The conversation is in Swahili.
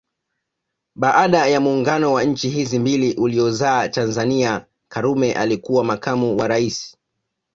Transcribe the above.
Baada ya muungano wa nchi hizi mbili uliozaa Tanzania Karume alikuwa makamu wa rais